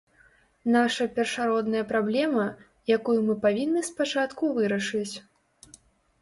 Наша першародная праблема, якую мы павінны спачатку вырашыць.